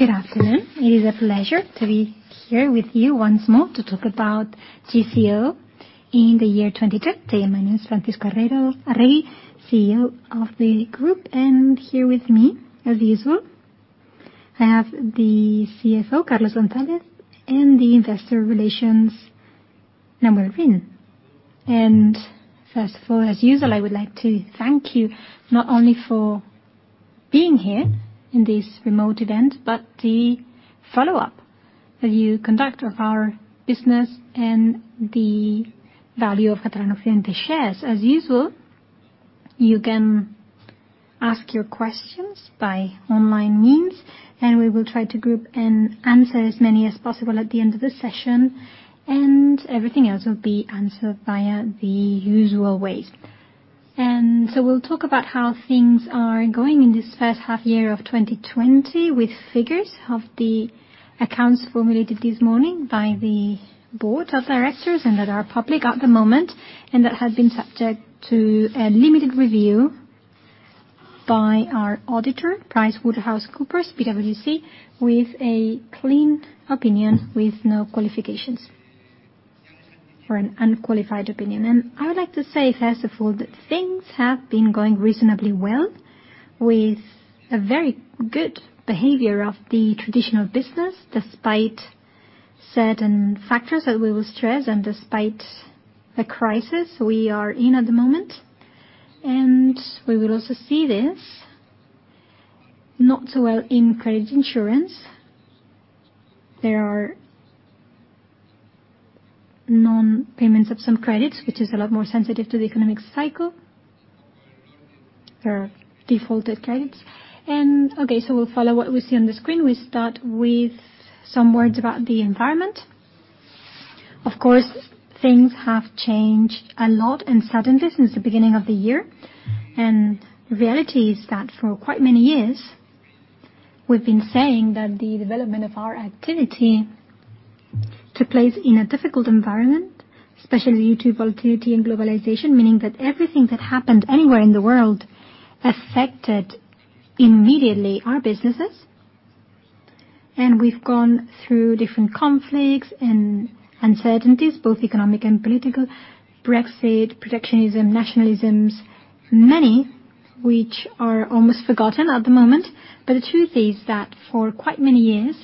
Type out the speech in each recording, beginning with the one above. Good afternoon. It is a pleasure to be here with you once more to talk about GCO in the year 2022. My name is Francisco Arregui, CEO of the group, and here with me, as usual, I have the CFO, Carlos González, and the investor relations, Nawal Rim. First of all, as usual, I would like to thank you not only for being here in this remote event, but the follow-up that you conduct of our business and the value of Catalana Occidente shares. As usual, you can ask your questions by online means. We will try to group and answer as many as possible at the end of the session. Everything else will be answered via the usual ways. We'll talk about how things are going in this first half year of 2020 with figures of the accounts formulated this morning by the board of directors that are public at the moment, that have been subject to a limited review by our auditor, PricewaterhouseCoopers, PwC, with a clean opinion, with no qualifications or an unqualified opinion. I would like to say, first of all, that things have been going reasonably well, with a very good behavior of the traditional business, despite certain factors that we will stress and despite the crisis we are in at the moment. We will also see this, not so well in credit insurance. There are non-payments of some credits, which is a lot more sensitive to the economic cycle. There are defaulted credits. Okay, so we'll follow what we see on the screen. We start with some words about the environment. Of course, things have changed a lot suddenly since the beginning of the year. The reality is that for quite many years, we've been saying that the development of our activity took place in a difficult environment, especially due to volatility and globalization, meaning that everything that happened anywhere in the world affected immediately our businesses. We've gone through different conflicts and uncertainties, both economic and political, Brexit, protectionism, nationalisms, many which are almost forgotten at the moment. The truth is that for quite many years,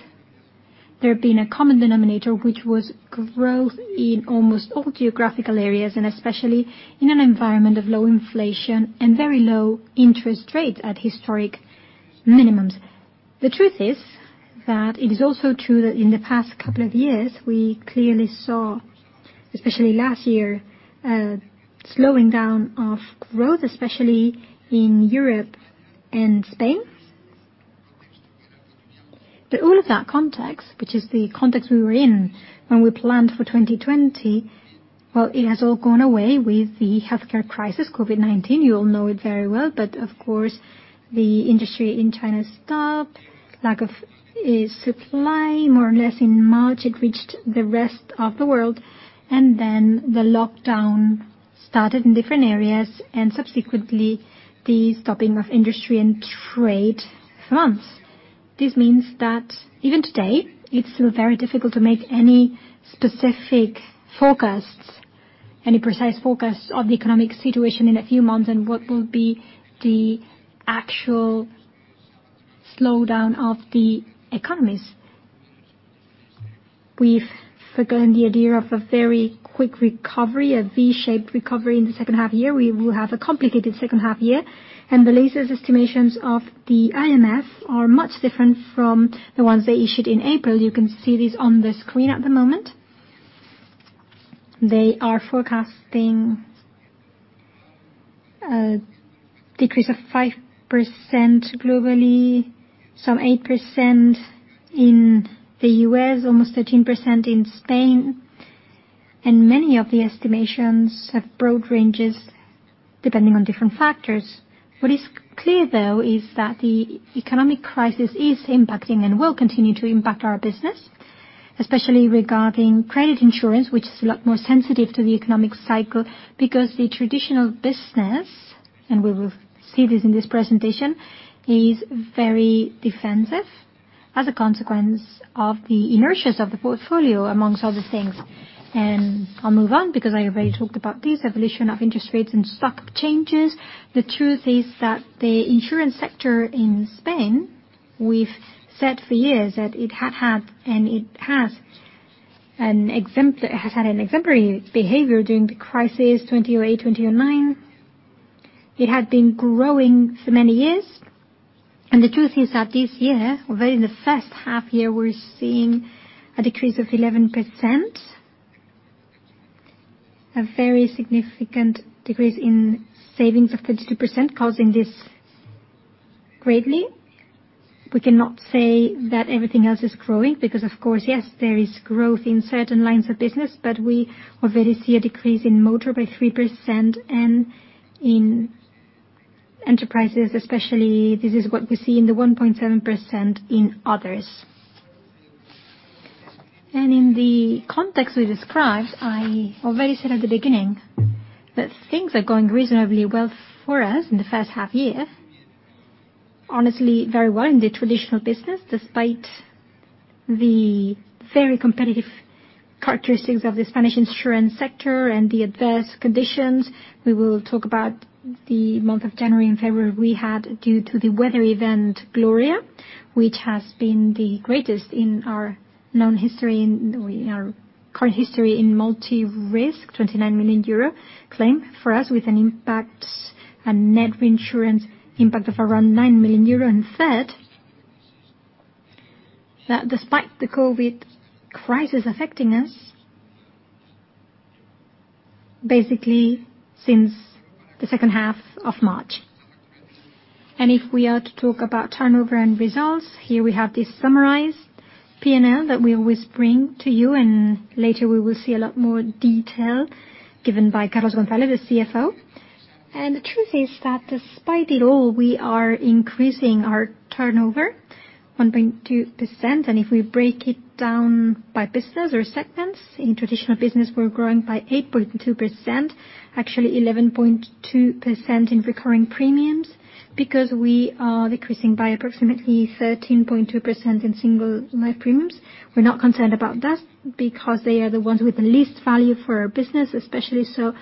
there have been a common denominator, which was growth in almost all geographical areas, and especially in an environment of low inflation and very low interest rates at historic minimums. The truth is that it is also true that in the past couple of years, we clearly saw, especially last year, a slowing down of growth, especially in Europe and Spain. All of that context, which is the context we were in when we planned for 2020, well, it has all gone away with the healthcare crisis, COVID-19. You all know it very well, but of course, the industry in China stopped, lack of supply, more or less in March, it reached the rest of the world, and then the lockdown started in different areas, and subsequently, the stopping of industry and trade for months. This means that even today, it's still very difficult to make any specific forecasts, any precise forecasts of the economic situation in a few months and what will be the actual slowdown of the economies. We've forgotten the idea of a very quick recovery, a V-shaped recovery in the second half year. We will have a complicated second half year, the latest estimations of the IMF are much different from the ones they issued in April. You can see these on the screen at the moment. They are forecasting a decrease of 5% globally, some 8% in the U.S., almost 13% in Spain. Many of the estimations have broad ranges depending on different factors. What is clear, though, is that the economic crisis is impacting and will continue to impact our business, especially regarding credit insurance, which is a lot more sensitive to the economic cycle because the traditional business, and we will see this in this presentation, is very defensive as a consequence of the inertias of the portfolio, amongst other things. I'll move on because I already talked about this, evolution of interest rates and stock changes. The truth is that the insurance sector in Spain, we've said for years that it had had and it has had an exemplary behavior during the crisis, 2008, 2009. It had been growing for many years. The truth is that this year, already in the first half year, we're seeing a decrease of 11%, a very significant decrease in savings of 32%, causing this greatly. We cannot say that everything else is growing because, of course, yes, there is growth in certain lines of business, but we already see a decrease in motor by 3% and in enterprises, especially, this is what we see in the 1.7% in others. In the context we described, I already said at the beginning that things are going reasonably well for us in the first half year. Honestly, very well in the traditional business, despite the very competitive characteristics of the Spanish insurance sector and the adverse conditions. We will talk about the month of January and February we had due to the weather event, Gloria, which has been the greatest in our current history in multi-risk, 29 million euro claim for us, with a net insurance impact of around 9 million euro. Third, that despite the COVID crisis affecting us, basically since the second half of March. If we are to talk about turnover and results, here we have this summarized P&L that we always bring to you, and later we will see a lot more detail given by Carlos González, the CFO. The truth is that despite it all, we are increasing our turnover 1.2%. If we break it down by business or segments, in traditional business, we're growing by 8.2%. Actually, 11.2% in recurring premiums, because we are decreasing by approximately 13.2% in single life premiums. We're not concerned about that, because they are the ones with the least value for our business, especially so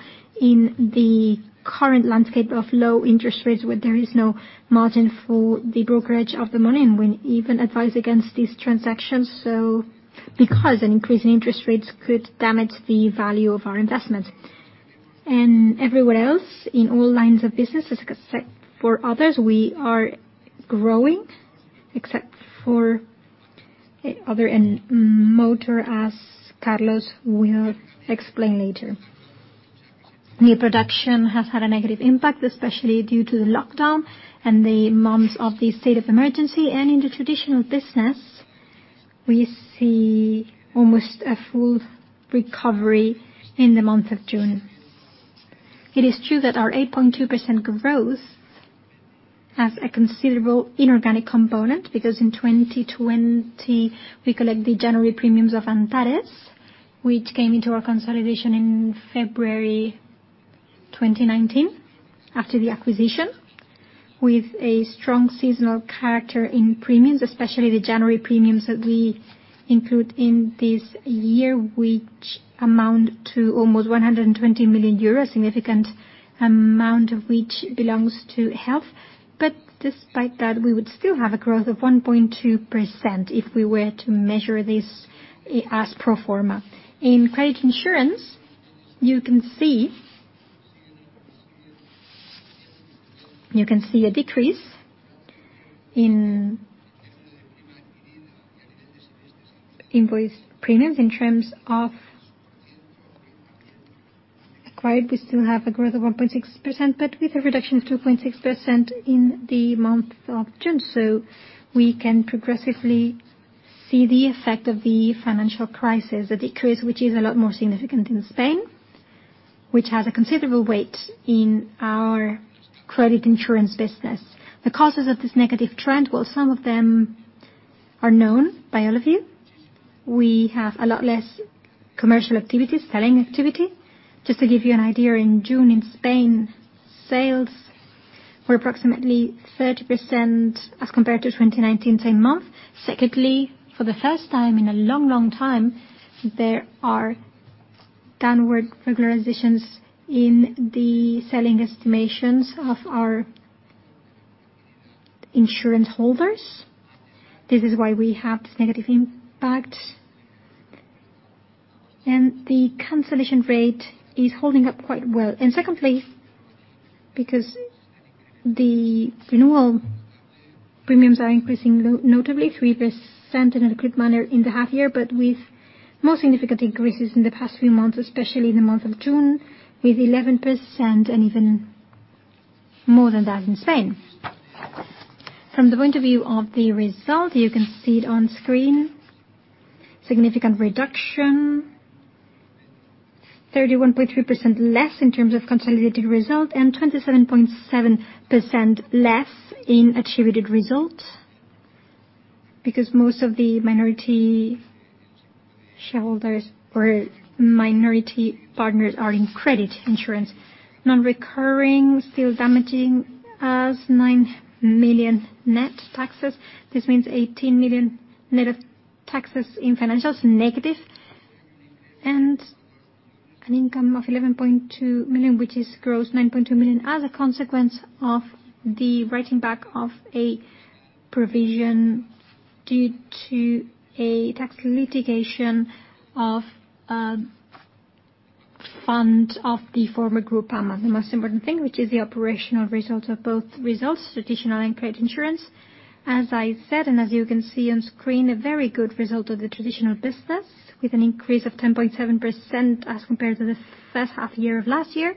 in the current landscape of low interest rates, where there is no margin for the brokerage of the money, and we even advise against these transactions, because an increase in interest rates could damage the value of our investments. Everywhere else, in all lines of business, for others, we are growing except for other and motor, as Carlos will explain later. New production has had a negative impact, especially due to the lockdown and the months of the state of emergency. In the traditional business, we see almost a full recovery in the month of June. It is true that our 8.2% growth has a considerable inorganic component, because in 2020, we collect the January premiums of Antares, which came into our consolidation in February 2019 after the acquisition, with a strong seasonal character in premiums, especially the January premiums that we include in this year, which amount to almost 120 million euros. Significant amount of which belongs to health. Despite that, we would still have a growth of 1.2% if we were to measure this as pro forma. In credit insurance, you can see a decrease in written premiums in terms of acquired. We still have a growth of 1.6%, but with a reduction of 2.6% in the month of June. We can progressively see the effect of the financial crisis, a decrease which is a lot more significant in Spain, which has a considerable weight in our credit insurance business. The causes of this negative trend, while some of them are known by all of you, we have a lot less commercial activities, selling activity. Just to give you an idea, in June in Spain, sales were approximately 30% as compared to 2019, same month. Secondly, for the first time in a long time, there are downward regularizations in the selling estimations of our insurance holders. This is why we have this negative impact. The cancellation rate is holding up quite well. Secondly, because the renewal premiums are increasing notably 3% in a good manner in the half year, but with more significant increases in the past few months, especially in the month of June, with 11% and even more than that in Spain. From the point of view of the result, you can see it on screen. Significant reduction, 31.3% less in terms of consolidated result and 27.7% less in attributed result, because most of the minority shareholders or minority partners are in credit insurance. Non-recurring, still damaging as 9 million net taxes. This means 18 million net taxes in financials, negative. An income of 11.2 million, which is gross 9.2 million as a consequence of the writing back of a provision due to a tax litigation of fund of the former Groupama. The most important thing, which is the operational result of both results, traditional and credit insurance. As I said, as you can see on screen, a very good result of the traditional business with an increase of 10.7% as compared to the first half year of last year,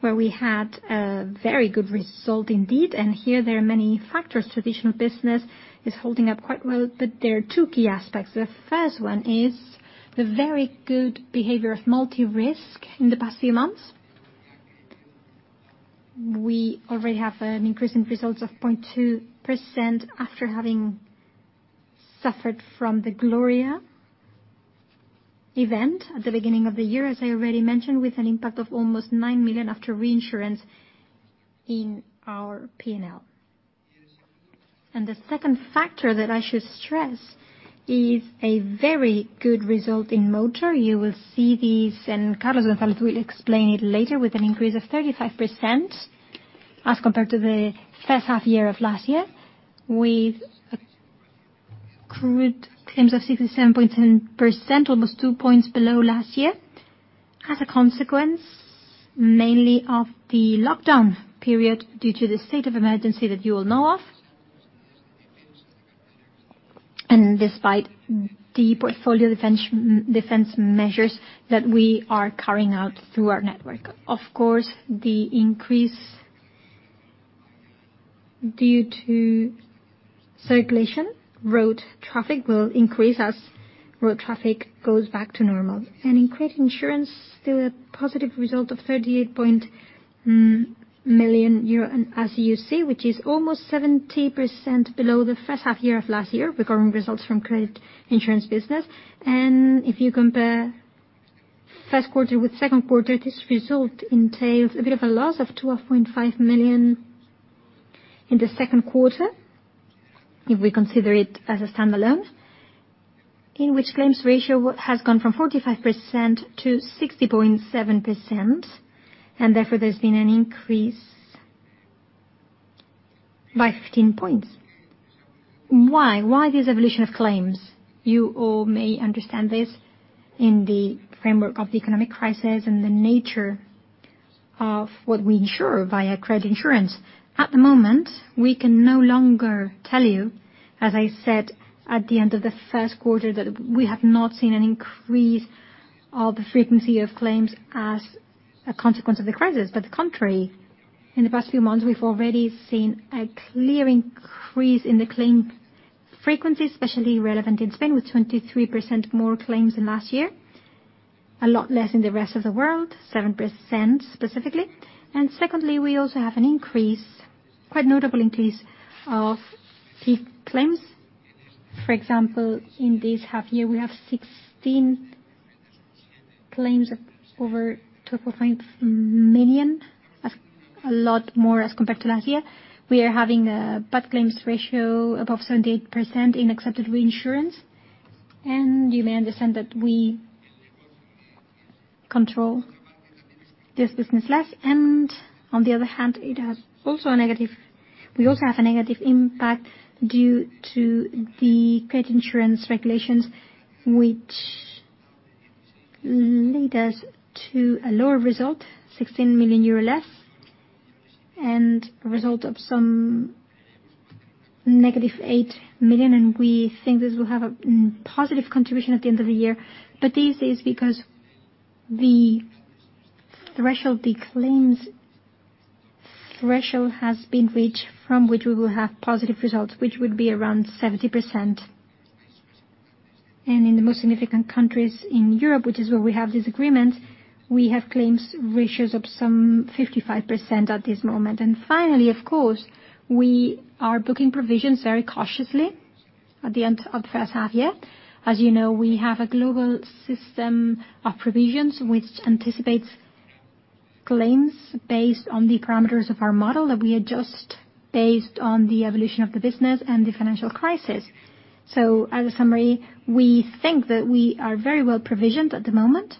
where we had a very good result indeed. Here, there are many factors. Traditional business is holding up quite well, but there are two key aspects. The first one is the very good behavior of multi-risk in the past few months. We already have an increase in results of 0.2% after having suffered from the Storm Gloria at the beginning of the year, as I already mentioned, with an impact of almost 9 million after reinsurance in our P&L. The second factor that I should stress is a very good result in motor. You will see these, and Carlos will explain it later, with an increase of 35% as compared to the first half year of last year, with crude claims of 67.10%, almost two points below last year. As a consequence, mainly of the lockdown period due to the state of emergency that you all know of, and despite the portfolio defense measures that we are carrying out through our network. Of course, the increase due to circulation, road traffic will increase as road traffic goes back to normal. In credit insurance, still a positive result of 38 million euro, as you see, which is almost 70% below the first half year of last year regarding results from credit insurance business. If you compare first quarter with second quarter, this result entails a bit of a loss of 12.5 million in the second quarter, if we consider it as a standalone, in which claims ratio has gone from 45% to 60.7%. Therefore, there's been an increase by 15 points. Why? Why this evolution of claims? You all may understand this in the framework of the economic crisis and the nature of what we insure via credit insurance. At the moment, we can no longer tell you, as I said at the end of the first quarter, that we have not seen an increase of the frequency of claims as a consequence of the crisis. The contrary, in the past few months, we've already seen a clear increase in the claim frequency, especially relevant in Spain, with 23% more claims than last year. A lot less in the rest of the world, 7% specifically. Secondly, we also have a quite notable increase of big claims. For example, in this half year, we have 16 claims of over 12.5 million, a lot more as compared to last year. We are having a bad claims ratio above 78% in accepted reinsurance, you may understand that we control this business less. On the other hand, we also have a negative impact due to the credit insurance regulations, which lead us to a lower result, 16 million euro less, a result of some -8 million, we think this will have a positive contribution at the end of the year. This is because the claims threshold has been reached from which we will have positive results, which would be around 70%. In the most significant countries in Europe, which is where we have these agreements, we have claims ratios of some 55% at this moment. Finally, of course, we are booking provisions very cautiously at the end of the first half year. As you know, we have a global system of provisions which anticipates claims based on the parameters of our model that we adjust based on the evolution of the business and the financial crisis. As a summary, we think that we are very well provisioned at the moment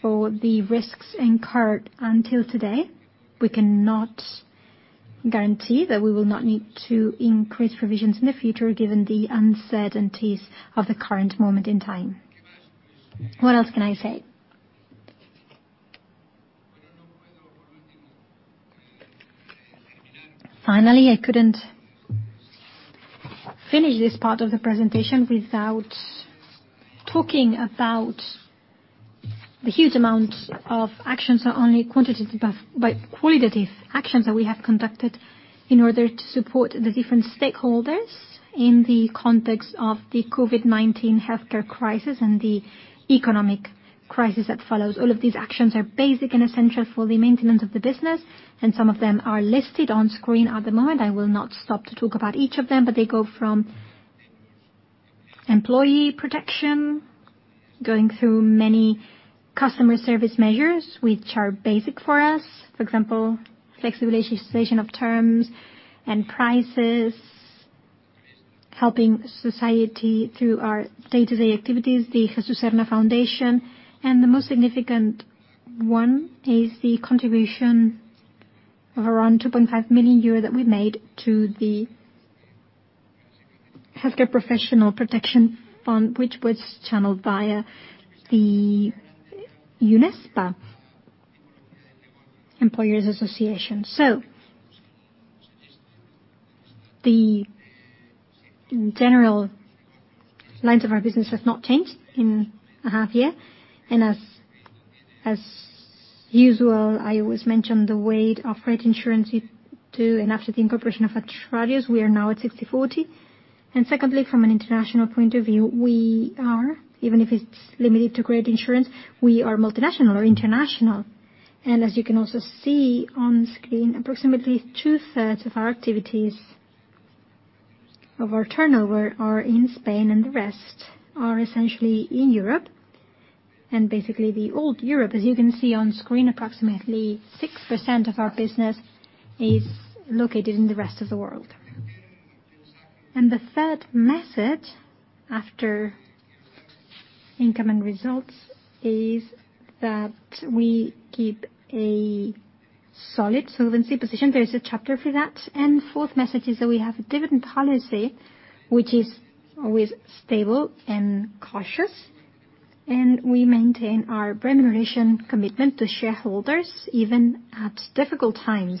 for the risks incurred until today. We cannot guarantee that we will not need to increase provisions in the future given the uncertainties of the current moment in time. What else can I say? Finally, I couldn't finish this part of the presentation without talking about the huge amount of actions, not only quantitative, but qualitative actions that we have conducted in order to support the different stakeholders in the context of the COVID-19 healthcare crisis and the economic crisis that follows. All of these actions are basic and essential for the maintenance of the business, some of them are listed on screen at the moment. I will not stop to talk about each of them, they go from employee protection, going through many customer service measures, which are basic for us. For example, flexibilization of terms and prices, helping society through our day-to-day activities, the Jesús Serra Foundation. The most significant one is the contribution of around 2.5 million euros that we made to the Healthcare Professional Protection Fund, which was channeled via the UNESPA Employers Association. The general lines of our business has not changed in a half year. As usual, I always mention the weight of credit insurance to, and after the incorporation of Atradius, we are now at 60/40. Secondly, from an international point of view, we are, even if it's limited to credit insurance, we are multinational or international. As you can also see on screen, approximately two-thirds of our activities of our turnover are in Spain, and the rest are essentially in Europe. Basically, the old Europe, as you can see on screen, approximately 6% of our business is located in the rest of the world. The third message after income and results is that we keep a solid solvency position. There is a chapter for that. Fourth message is that we have a dividend policy, which is always stable and cautious, and we maintain our remuneration commitment to shareholders even at difficult times.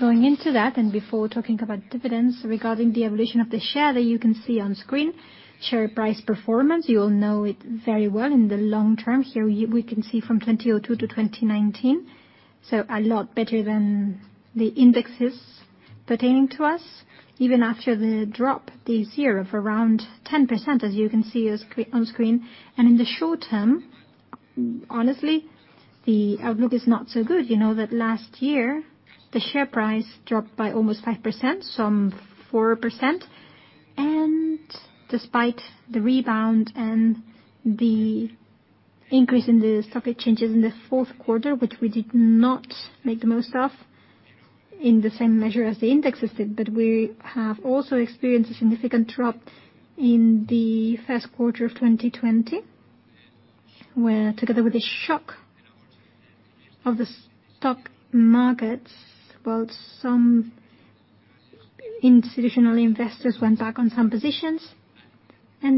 Going into that, before talking about dividends, regarding the evolution of the share that you can see on screen, share price performance, you will know it very well in the long term. Here we can see from 2002 to 2019, a lot better than the indexes pertaining to us, even after the drop this year of around 10%, as you can see on screen. In the short term, honestly, the outlook is not so good. You know that last year, the share price dropped by almost 5%, some 4%. Despite the rebound and the increase in the stock exchanges in the fourth quarter, which we did not make the most of in the same measure as the indexes did, but we have also experienced a significant drop in the first quarter of 2020, where together with the shock of the stock markets, both some institutional investors went back on some positions.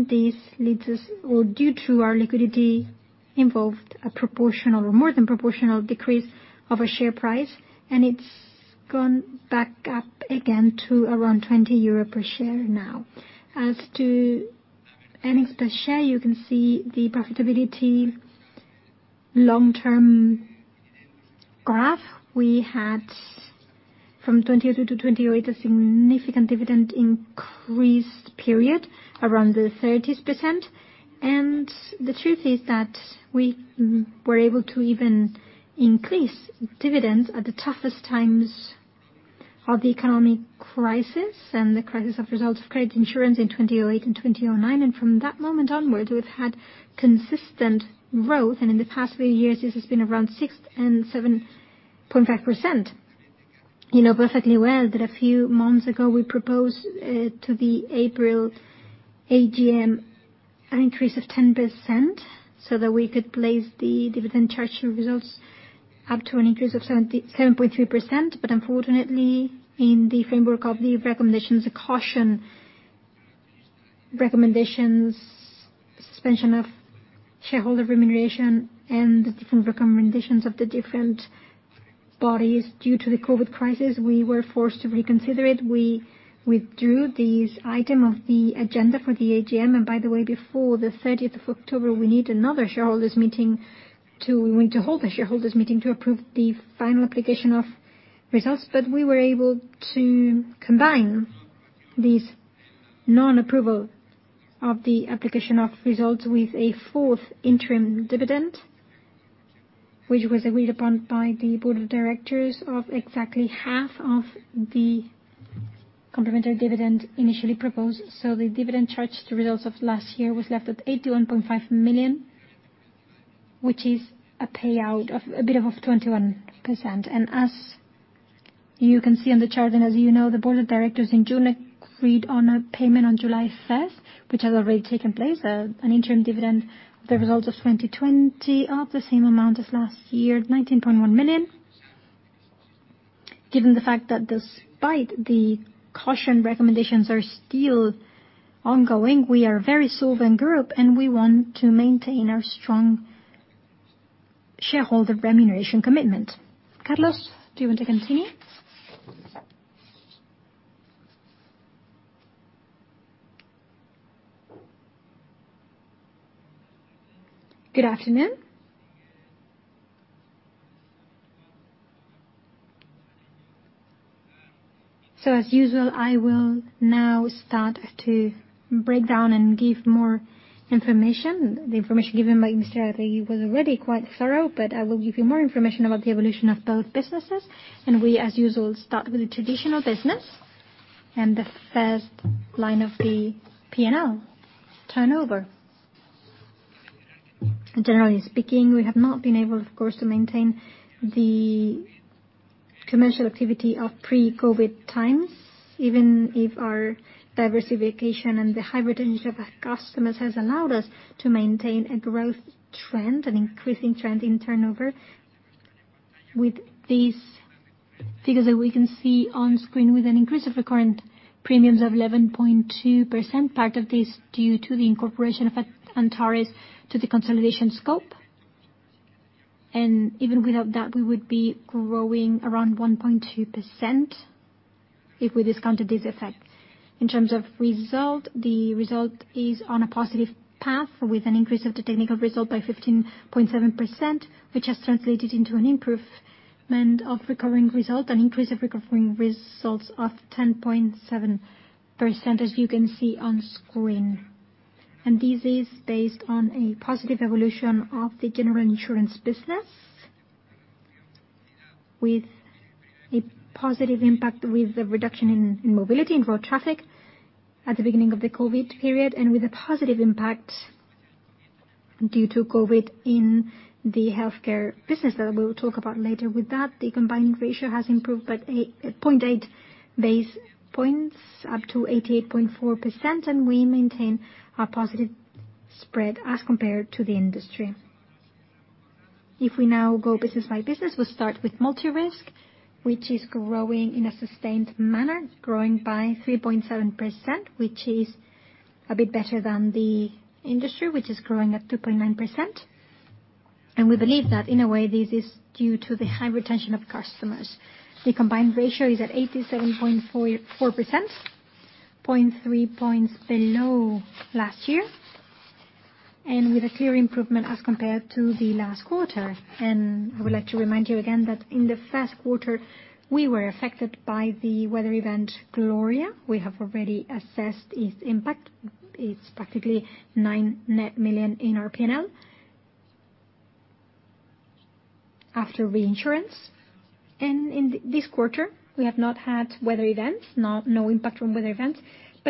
This leads us, or due to our liquidity, involved a proportional or more than proportional decrease of a share price. It's gone back up again to around 20 euro per share now. As to earnings per share, you can see the profitability long-term graph. We had from 2002 to 2008, a significant dividend increase period around the 30s%. The truth is that we were able to even increase dividends at the toughest times of the economic crisis and the crisis of results of credit insurance in 2008 and 2009. From that moment onwards, we've had consistent growth. In the past few years, this has been around 6% and 7.5%. You know perfectly well that a few months ago, we proposed to the April AGM an increase of 10%, so that we could place the dividend charge results up to an increase of 7.3%. Unfortunately, in the framework of the recommendations, the caution recommendations, suspension of shareholder remuneration, and the different recommendations of the different bodies due to the COVID crisis, we were forced to reconsider it. We withdrew this item of the agenda for the AGM. By the way, before the 30th of October, we need another shareholders meeting to hold a shareholders meeting to approve the final application of results. We were able to combine this non-approval of the application of results with a fourth interim dividend, which was agreed upon by the board of directors of exactly half of the complementary dividend initially proposed. The dividend charged the results of last year was left at 81.5 million, which is a payout of a bit of 21%. As you can see on the chart, and as you know, the board of directors in June agreed on a payment on July 1st, which has already taken place, an interim dividend of the results of 2020 of the same amount as last year, 19.1 million. Given the fact that despite the caution recommendations are still ongoing, we are very solvent group, and we want to maintain our strong shareholder remuneration commitment. Carlos, do you want to continue? Good afternoon. As usual, I will now start to break down and give more information. The information given by Mr. Arregui was already quite thorough, but I will give you more information about the evolution of both businesses. We, as usual, start with the traditional business and the first line of the P&L, turnover. Generally speaking, we have not been able, of course, to maintain the commercial activity of pre-COVID times, even if our diversification and the hybrid nature of our customers has allowed us to maintain a growth trend, an increasing trend in turnover. With these figures that we can see on screen, with an increase of recurrent premiums of 11.2%, part of this due to the incorporation of Antares to the consolidation scope. Even without that, we would be growing around 1.2% if we discounted this effect. In terms of results the result is on a positive path with an increase of the technical result by 15.7%, which has translated into an improvement of recurring result, an increase of recurring results of 10.7%, as you can see on screen. This is based on a positive evolution of the general insurance business, with a positive impact, with a reduction in mobility and road traffic at the beginning of the COVID period, and with a positive impact due to COVID in the healthcare business that we will talk about later. With that, the combined ratio has improved by 0.8 basis points up to 88.4%, and we maintain a positive spread as compared to the industry. If we now go business by business, we will start with multi-risk, which is growing in a sustained manner, growing by 3.7%, which is a bit better than the industry, which is growing at 2.9%. We believe that in a way, this is due to the high retention of customers. The combined ratio is at 87.4%, 0.3 points below last year, and with a clear improvement as compared to the last quarter. I would like to remind you again that in the first quarter, we were affected by the weather event, Gloria. We have already assessed its impact. It is practically 9 million net in our P&L after reinsurance. In this quarter, we have not had weather events, no impact from weather events.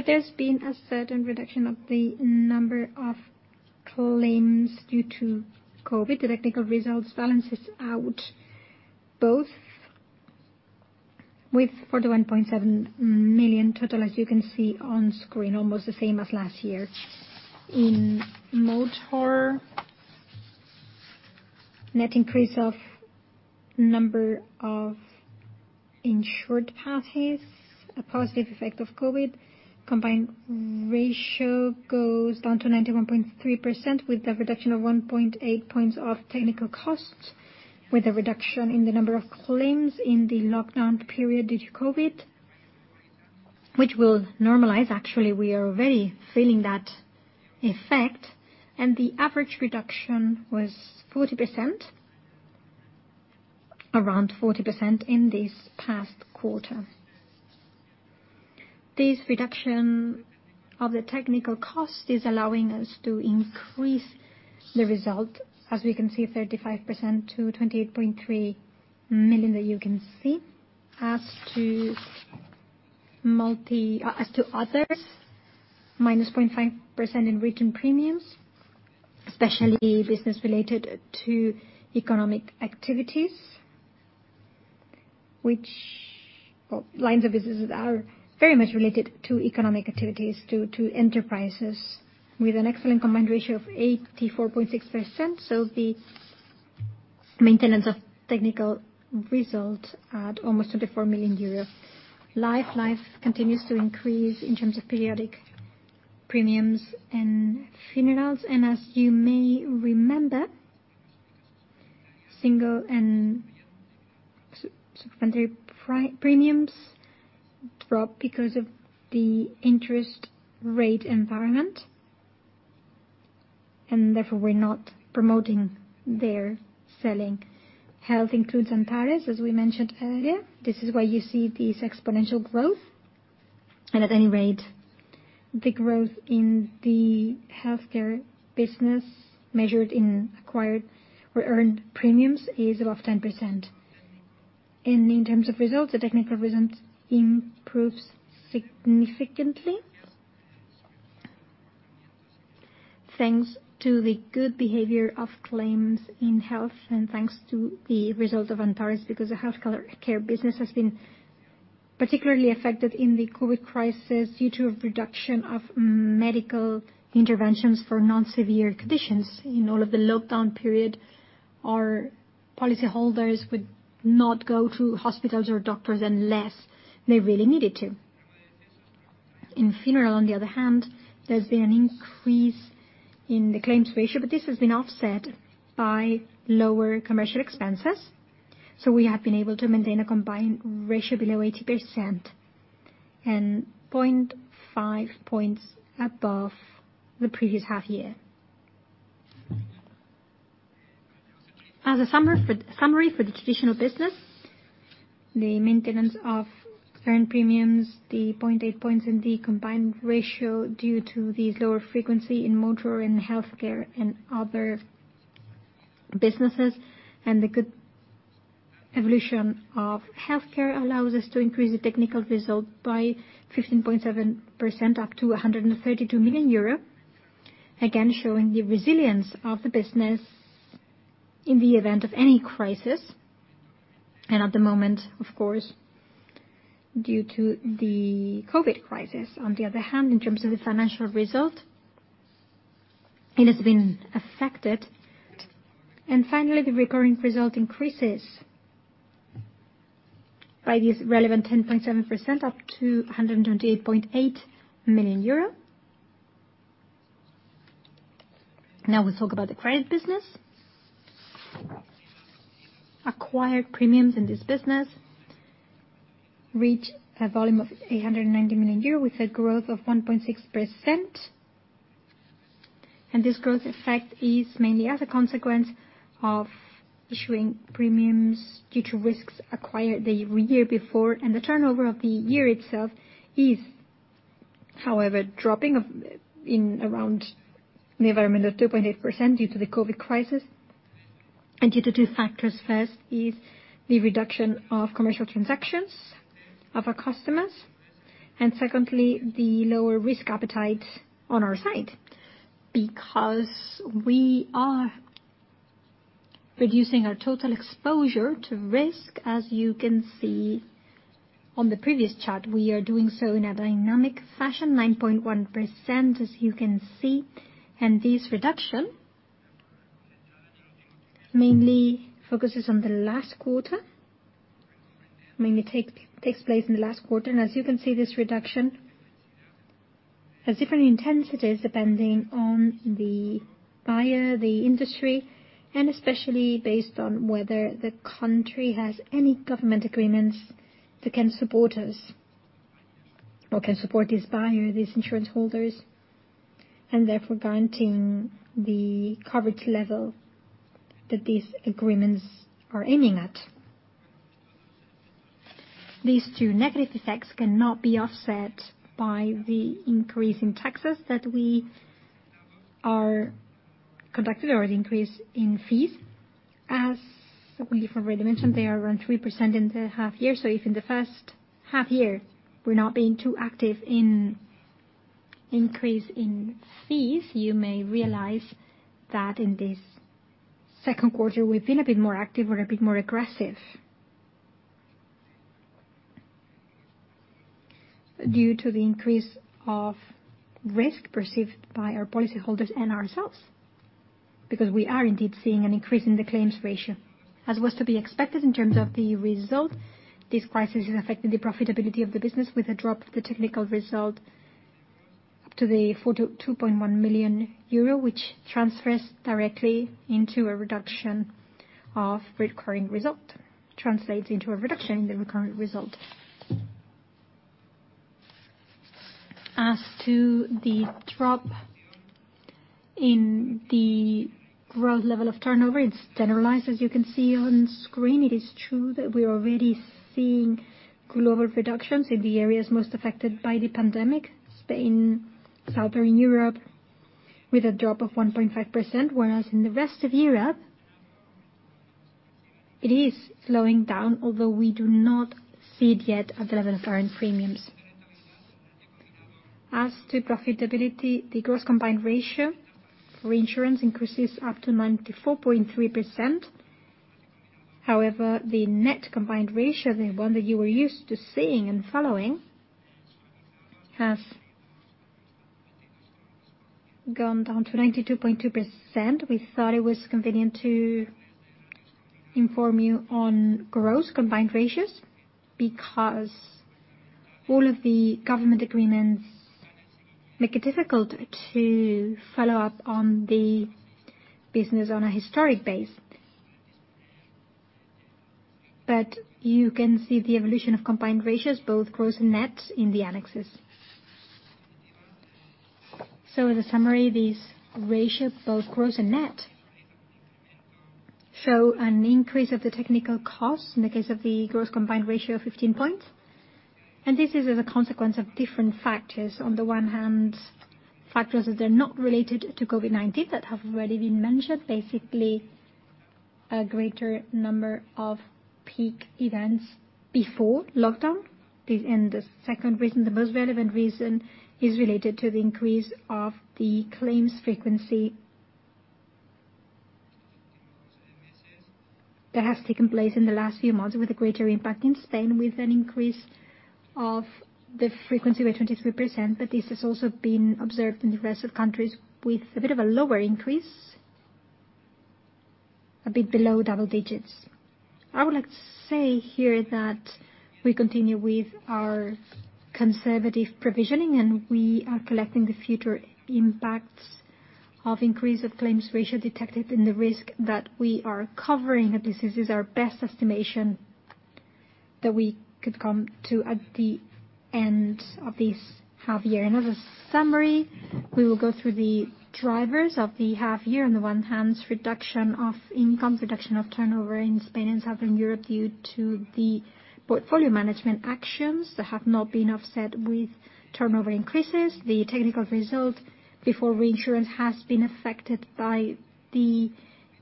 There's been a certain reduction of the number of claims due to COVID. The technical results balances out both with 41.7 million total, as you can see on screen, almost the same as last year. In motor, net increase of number of insured policies, a positive effect of COVID. Combined ratio goes down to 91.3% with the reduction of 1.8 points of technical costs, with a reduction in the number of claims in the lockdown period due to COVID, which will normalize. Actually, we are already feeling that effect. The average reduction was 40%, around 40% in this past quarter. This reduction of the technical cost is allowing us to increase the result, as we can see, 35% to 28.3 million that you can see. As to others, -0.5% in written premiums, especially business related to economic activities, which lines of businesses are very much related to economic activities, to enterprises with an excellent combined ratio of 84.6%. The maintenance of technical result at almost 24 million euros. Life continues to increase in terms of periodic premiums and funerals. As you may remember, single and supplementary premiums dropped because of the interest rate environment, and therefore we're not promoting their selling. Health includes Antares, as we mentioned earlier. This is why you see this exponential growth. At any rate, the growth in the healthcare business measured in acquired or earned premiums is above 10%. In terms of results, the technical results improves significantly, thanks to the good behavior of claims in health and thanks to the result of Antares, because the healthcare care business has been particularly affected in the COVID crisis due to a reduction of medical interventions for non-severe conditions. In all of the lockdown period, our policyholders would not go to hospitals or doctors unless they really needed to. In funeral, on the other hand, there's been an increase in the claims ratio. This has been offset by lower commercial expenses, so we have been able to maintain a combined ratio below 80% and 0.5 points above the previous half year. As a summary for the traditional business, the maintenance of earned premiums, the 0.8 points in the combined ratio due to these lower frequency in motor and healthcare and other businesses, and the good evolution of healthcare allows us to increase the technical result by 15.7% up to 132 million euro. Again, showing the resilience of the business in the event of any crisis. At the moment, of course, due to the COVID crisis. On the other hand, in terms of the financial result, it has been affected. Finally, the recurring result increases by this relevant 10.7% up to 128.8 million euro. Now we'll talk about the credit business. acquired premiums in this business reached a volume of 890 million euro, with a growth of 1.6%. This growth effect is mainly as a consequence of issuing premiums due to risks acquired the year before, and the turnover of the year itself is, however, dropping in around the environment of 2.8% due to the COVID crisis and due to two factors. First is the reduction of commercial transactions of our customers, and secondly, the lower risk appetite on our side, because we are reducing our total exposure to risk. As you can see on the previous chart, we are doing so in a dynamic fashion, 9.1%, as you can see. This reduction mainly focuses on the last quarter. Mainly takes place in the last quarter, and as you can see, this reduction has different intensities depending on the buyer, the industry, and especially based on whether the country has any government agreements that can support us or can support this buyer, these insurance holders, and therefore guaranteeing the coverage level that these agreements are aiming at. These two negative effects cannot be offset by the increase in taxes that we are conducting or the increase in fees. As we've already mentioned, they are around 3% in the half year. If in the first half year we're not being too active in increase in fees, you may realize that in this second quarter, we've been a bit more active. We're a bit more aggressive. Due to the increase of risk perceived by our policy holders and ourselves, because we are indeed seeing an increase in the claims ratio. As was to be expected in terms of the result, this crisis is affecting the profitability of the business with a drop of the technical result to the 42.1 million euro, which translates into a reduction in the recurrent result. As to the drop in the growth level of turnover, it is generalized, as you can see on screen. It is true that we are already seeing global reductions in the areas most affected by the pandemic, Spain, southern Europe, with a drop of 1.5%, whereas in the rest of Europe, it is slowing down, although we do not see it yet at the level of current premiums. As to profitability, the gross combined ratio for insurance increases up to 94.3%. However, the net combined ratio, the one that you are used to seeing and following, has gone down to 92.2%. We thought it was convenient to inform you on gross combined ratios because all of the government agreements make it difficult to follow up on the business on a historic base. You can see the evolution of combined ratios, both gross and net, in the annexes. As a summary, these ratios, both gross and net, show an increase of the technical costs in the case of the gross combined ratio of 15 points. This is as a consequence of different factors. On the one hand, factors that are not related to COVID-19 that have already been mentioned, basically a greater number of peak events before lockdown. The second reason, the most relevant reason, is related to the increase of the claims frequency that has taken place in the last few months with a greater impact in Spain, with an increase of the frequency by 23%. This has also been observed in the rest of the countries with a bit of a lower increase, a bit below double digits. I would like to say here that we continue with our conservative provisioning, and we are collecting the future impacts of increase of claims ratio detected in the risk that we are covering, and this is our best estimation that we could come to at the end of this half year. As a summary, we will go through the drivers of the half year. On the one hand, reduction of income, reduction of turnover in Spain and southern Europe due to the portfolio management actions that have not been offset with turnover increases. The technical result before reinsurance has been affected by the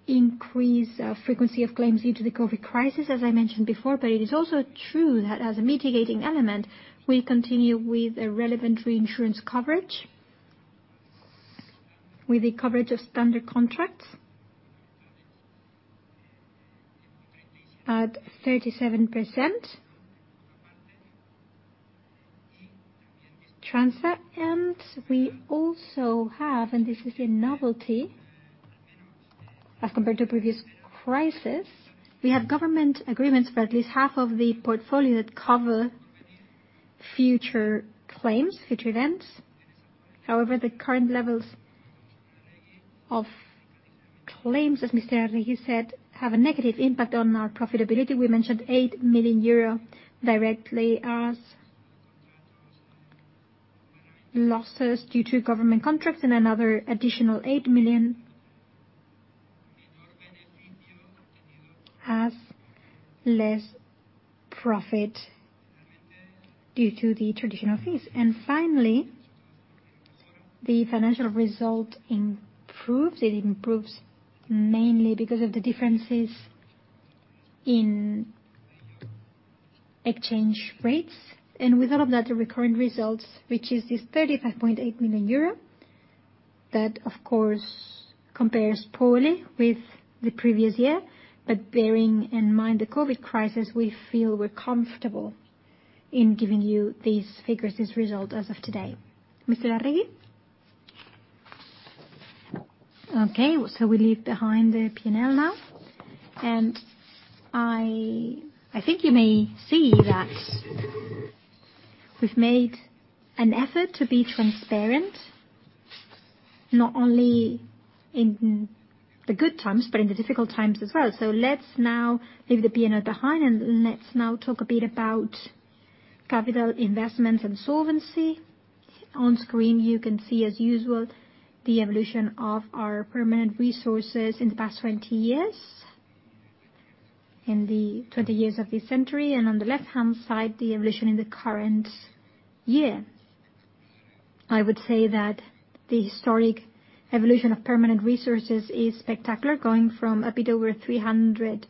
increase of frequency of claims due to the COVID crisis, as I mentioned before. It is also true that as a mitigating element, we continue with a relevant reinsurance coverage with a coverage of standard contracts at 37%. We also have, and this is a novelty as compared to previous crisis, we have government agreements for at least half of the portfolio that cover future claims, future events. However, the current levels of claims, as Mr. Arregui said, have a negative impact on our profitability. We mentioned 8 million euro directly as losses due to government contracts and another additional 8 million as less profit due to the traditional fees. Finally, the financial result improves. It improves mainly because of the differences in exchange rates. With all of that, the recurring results, which is this 35.8 million euro, that, of course, compares poorly with the previous year. Bearing in mind the COVID crisis, we feel we're comfortable in giving you these figures, this result as of today. Mr. Arregui? Okay. We leave behind the P&L now. I think you may see that we've made an effort to be transparent, not only in the good times, but in the difficult times as well. Let's now leave the P&L behind, and let's now talk a bit about capital investments and solvency. On screen, you can see, as usual, the evolution of our permanent resources in the past 20 years, in the 20 years of this century, and on the left-hand side, the evolution in the current year. I would say that the historic evolution of permanent resources is spectacular, going from a bit over 300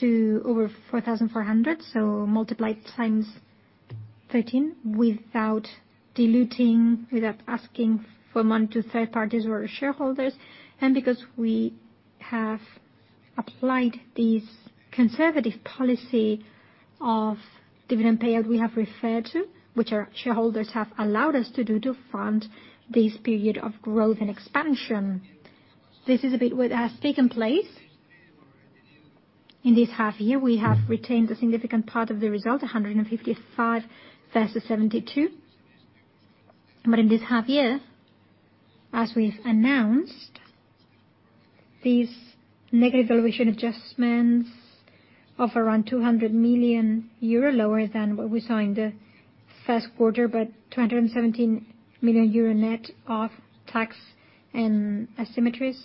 to over 4,400, so multiplied times 13, without diluting, without asking for money to third parties or shareholders. Because we have applied this conservative policy of dividend payout we have referred to, which our shareholders have allowed us to do to fund this period of growth and expansion. This is a bit what has taken place. In this half year, we have retained a significant part of the result, 155 versus 72. In this half year, as we've announced, these negative valuation adjustments of around 200 million euro, lower than what we saw in the first quarter, but 217 million euro net of tax and asymmetries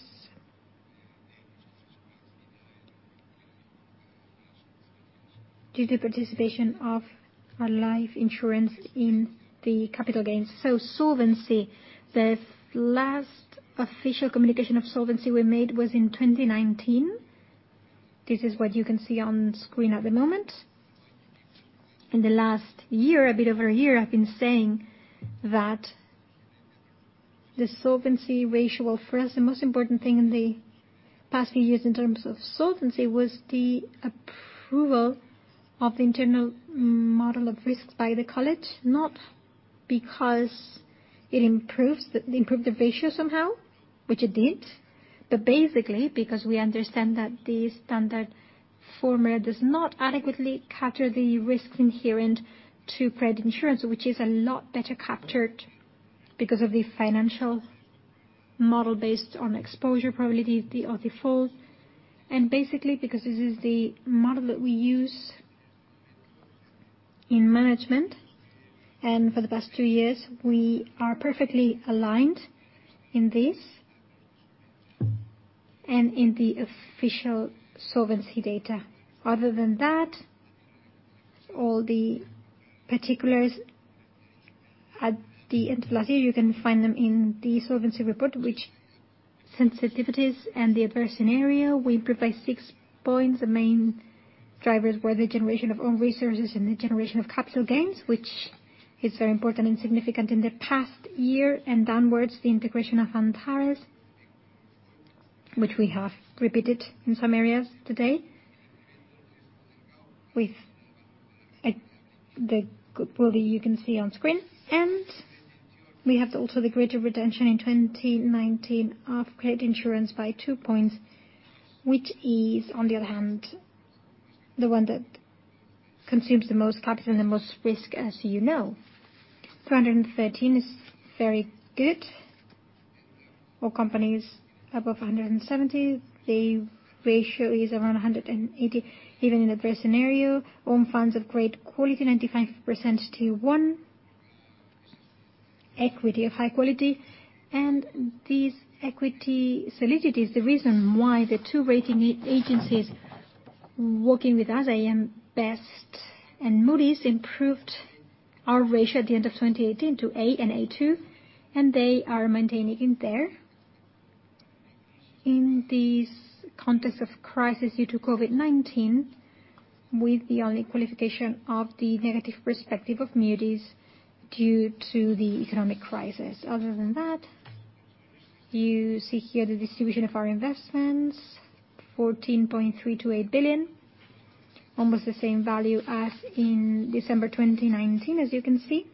due to participation of our life insurance in the capital gains. Solvency. The last official communication of solvency we made was in 2019. This is what you can see on screen at the moment. In the last year, a bit over a year, I've been saying that the solvency ratio, well, for us, the most important thing in the past few years in terms of solvency was the approval of the internal model of risks by the College, not because it improved the ratio somehow, which it did, but basically because we understand that the standard formula does not adequately capture the risks inherent to credit insurance, which is a lot better captured because of the financial model based on exposure probability of default. Basically, because this is the model that we use in management, and for the past two years, we are perfectly aligned in this and in the official solvency data. Other than that, all the particulars at the end of last year, you can find them in the solvency report, which sensitivities and the adverse scenario, we improve by six points. The main drivers were the generation of own resources and the generation of capital gains, which is very important and significant in the past year and downwards, the integration of Antares, which we have repeated in some areas today with the quality you can see on screen. We have also the greater retention in 2019 of credit insurance by two points, which is, on the other hand, the one that consumes the most capital and the most risk, as you know. 313 is very good for companies above 170. The ratio is around 180, even in adverse scenario. Own funds of great quality, 95% Tier 1, equity of high quality. This equity solidity is the reason why the two rating agencies working with us, AM Best and Moody's, improved our ratio at the end of 2018 to A and A2, and they are maintaining it there. In this context of crisis due to COVID-19, with the only qualification of the negative perspective of Moody's due to the economic crisis. Other than that, you see here the distribution of our investments, 14.328 billion. Almost the same value as in December 2019, as you can see.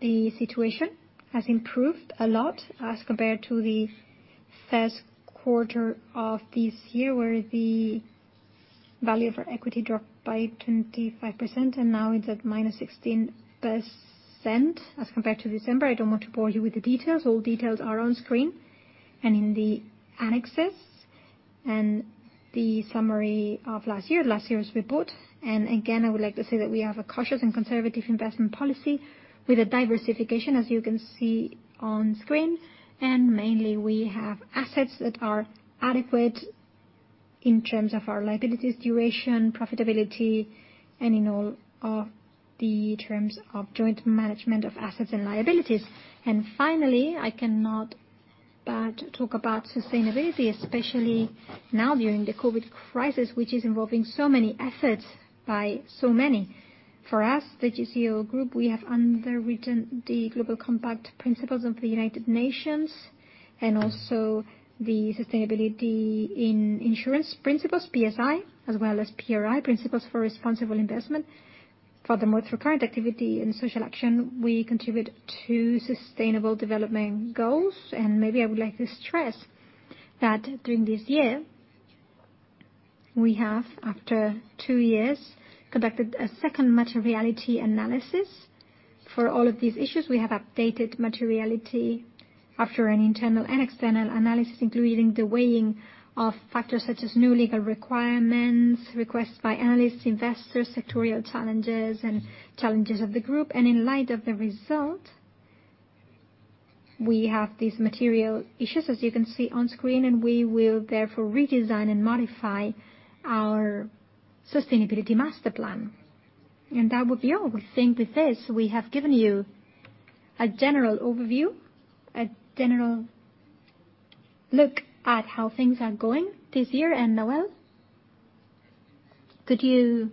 The situation has improved a lot as compared to the first quarter of this year, where the value of our equity dropped by 25%, and now it's at -16% as compared to December. I don't want to bore you with the details. All details are on screen and in the annexes. The summary of last year's report. Again, I would like to say that we have a cautious and conservative investment policy with a diversification, as you can see on screen. Mainly we have assets that are adequate in terms of our liabilities, duration, profitability, and in all of the terms of joint management of assets and liabilities. Finally, I cannot but talk about sustainability, especially now during the COVID crisis, which is involving so many assets by so many. For us, the GCO Group, we have underwritten the Global Compact principles of the United Nations and also the Sustainability in Insurance Principles, PSI, as well as PRI, Principles for Responsible Investment. Furthermore, through current activity and social action, we contribute to sustainable development goals. Maybe I would like to stress that during this year, we have, after two years, conducted a second materiality analysis. For all of these issues, we have updated materiality after an internal and external analysis, including the weighing of factors such as new legal requirements, requests by analysts, investors, sectorial challenges, and challenges of the group. In light of the result, we have these material issues, as you can see on screen, and we will therefore redesign and modify our sustainability master plan. That will be all. We think with this, we have given you a general overview, a general look at how things are going this year. Nawal, could you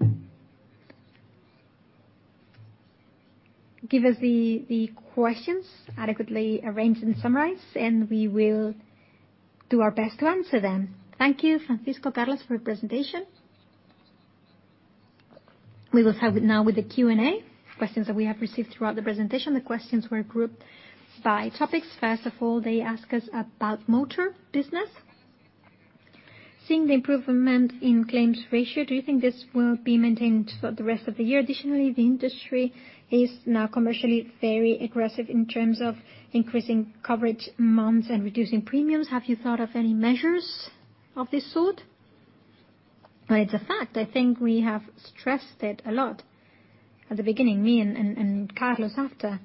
give us the questions adequately arranged and summarized, and we will do our best to answer them. Thank you, Francisco, Carlos, for your presentation. We will start now with the Q&A. Questions that we have received throughout the presentation. The questions were grouped by topics. First of all, they ask us about motor business. Seeing the improvement in claims ratio, do you think this will be maintained for the rest of the year? Additionally, the industry is now commercially very aggressive in terms of increasing coverage months and reducing premiums. Have you thought of any measures of this sort? It's a fact. I think we have stressed it a lot at the beginning, me and Carlos after.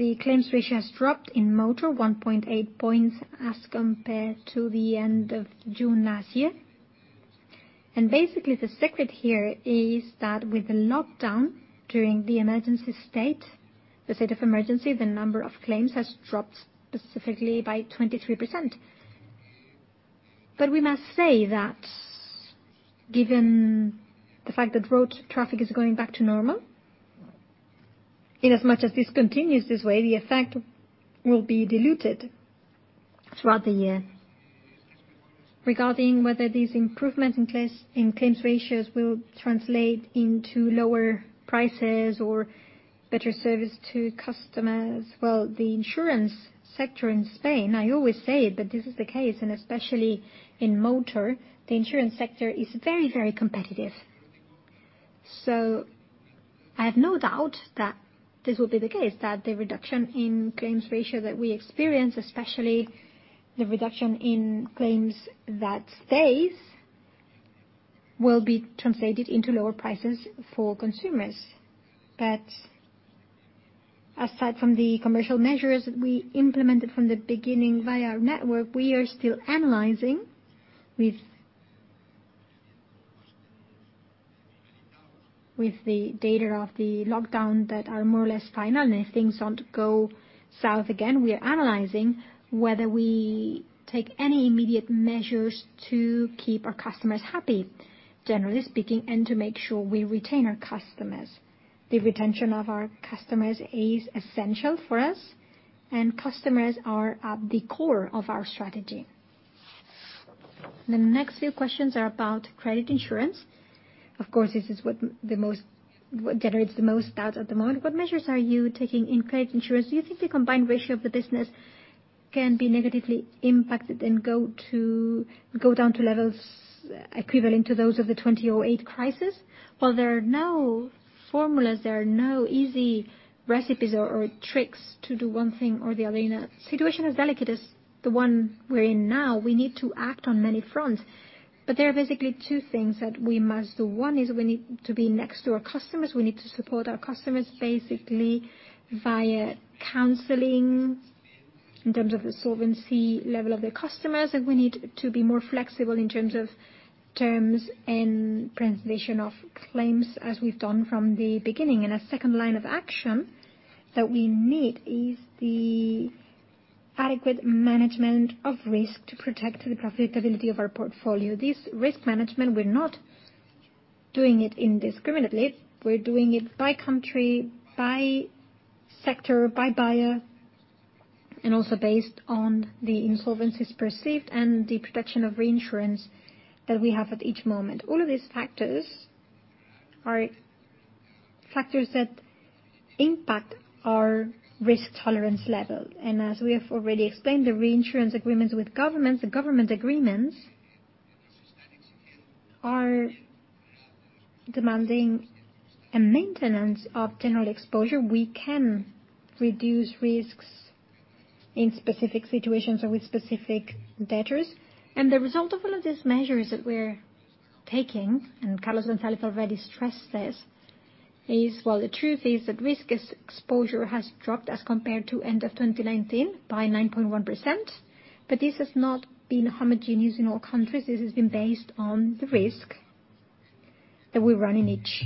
The claims ratio has dropped in motor 1.8 points as compared to the end of June last year. Basically, the secret here is that with the lockdown during the state of emergency, the number of claims has dropped specifically by 23%. We must say that given the fact that road traffic is going back to normal, in as much as this continues this way, the effect will be diluted throughout the year. Regarding whether this improvement in claims ratios will translate into lower prices or better service to customers. Well, the insurance sector in Spain, I always say it, but this is the case, and especially in motor, the insurance sector is very competitive. I have no doubt that this will be the case, that the reduction in claims ratio that we experience, especially the reduction in claims that stays, will be translated into lower prices for consumers. Aside from the commercial measures we implemented from the beginning via our network, we are still analyzing with the data of the lockdown that are more or less final. If things don't go south again, we are analyzing whether we take any immediate measures to keep our customers happy, generally speaking, and to make sure we retain our customers. The retention of our customers is essential for us, and customers are at the core of our strategy. The next few questions are about credit insurance. Of course, this is what generates the most doubt at the moment. What measures are you taking in credit insurance? Do you think the combined ratio of the business can be negatively impacted and go down to levels equivalent to those of the 2008 crisis? Well, there are no formulas, there are no easy recipes or tricks to do one thing or the other. In a situation as delicate as the one we're in now, we need to act on many fronts. There are basically two things that we must do. One is we need to be next to our customers. We need to support our customers, basically via counseling in terms of the solvency level of the customers. We need to be more flexible in terms of terms and presentation of claims, as we've done from the beginning. A second line of action that we need is the adequate management of risk to protect the profitability of our portfolio. This risk management, we're not doing it indiscriminately. We're doing it by country, by sector, by buyer and also based on the insolvencies perceived and the protection of reinsurance that we have at each moment. All of these factors are factors that impact our risk tolerance level. As we have already explained, the reinsurance agreements with governments, the government agreements are demanding a maintenance of general exposure. We can reduce risks in specific situations or with specific debtors. Result of all of these measures that we're taking, Carlos González already stressed this, is, while the truth is that risk exposure has dropped as compared to end of 2019 by 9.1%, but this has not been homogeneous in all countries. This has been based on the risk that we run in each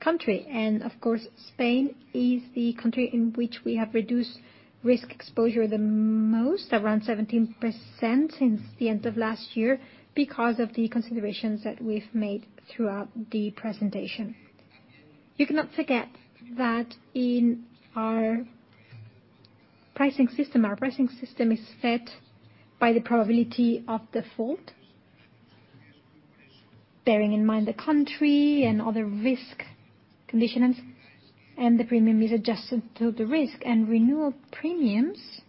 country. Of course, Spain is the country in which we have reduced risk exposure the most, around 17% since the end of last year, because of the considerations that we've made throughout the presentation. You cannot forget that in our pricing system, our pricing system is set by the probability of default, bearing in mind the country and other risk conditionings, and the premium is adjusted to the risk. Renewal premiums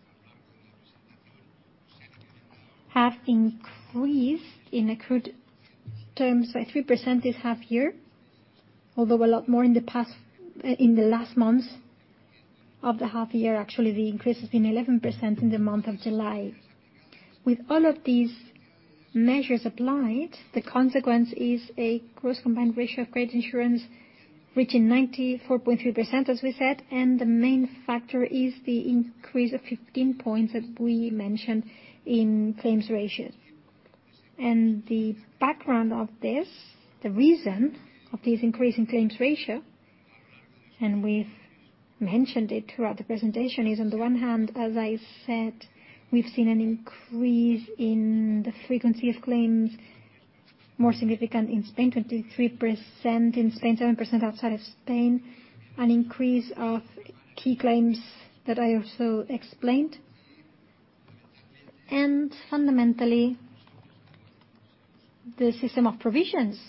have increased in accrued terms by 3% this half year. Although a lot more in the last months of the half year, actually, the increase has been 11% in the month of July. With all of these measures applied, the consequence is a gross combined ratio of credit insurance reaching 94.3%, as we said. The main factor is the increase of 15 points, as we mentioned, in claims ratios. The background of this, the reason of this increase in claims ratio, and we've mentioned it throughout the presentation, is on the one hand, as I said, we've seen an increase in the frequency of claims, more significant in Spain, 23% in Spain, 7% outside of Spain, an increase of key claims that I also explained, and fundamentally, the system of provisions.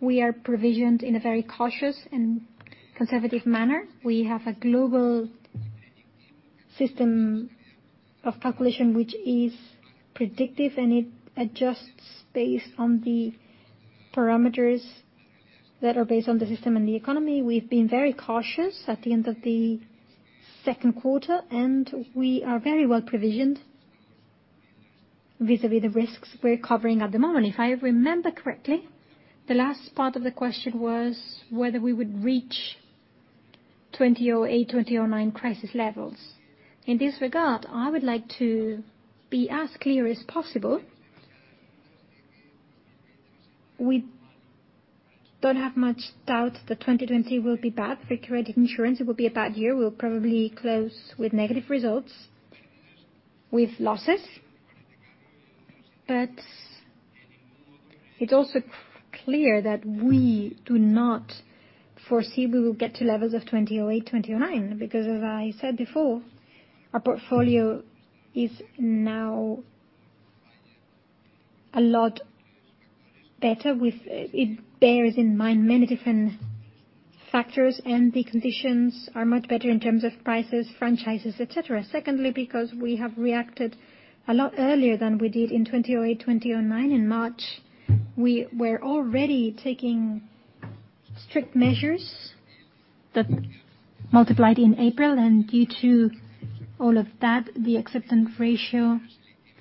We are provisioned in a very cautious and conservative manner. We have a global system of calculation which is predictive, and it adjusts based on the parameters that are based on the system and the economy. We've been very cautious at the end of the second quarter, and we are very well provisioned vis-à-vis the risks we're covering at the moment. If I remember correctly, the last part of the question was whether we would reach 2008, 2009 crisis levels. In this regard, I would like to be as clear as possible. We don't have much doubt that 2020 will be bad for credit insurance. It will be a bad year. We'll probably close with negative results, with losses. It's also clear that we do not foresee we will get to levels of 2008, 2009, because, as I said before, our portfolio is now a lot better. It bears in mind many different factors, and the conditions are much better in terms of prices, franchises, et cetera. Secondly, because we have reacted a lot earlier than we did in 2008, 2009. In March, we were already taking strict measures that multiplied in April. Due to all of that, the acceptance ratio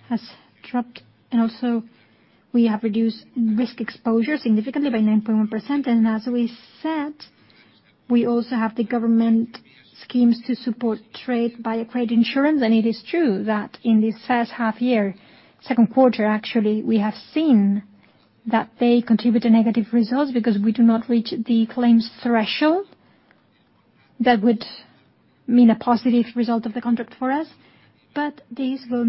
has dropped. Also, we have reduced risk exposure significantly by 9.1%. As we said, we also have the government schemes to support trade via credit insurance. It is true that in this first half year, second quarter, actually, we have seen that they contribute to negative results because we do not reach the claims threshold that would mean a positive result of the contract for us. These will